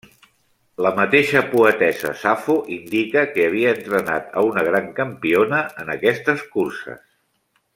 La mateixa poetessa Safo indica que havia entrenat a una gran campiona en aquestes curses.